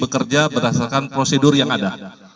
kerja berasalkan prosedur yang ada